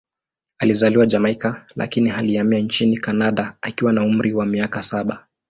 Alizaliwa Jamaika, lakini alihamia nchini Kanada akiwa na umri wa miaka saba.